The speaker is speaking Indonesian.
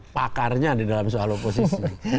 pakarnya di dalam soal oposisi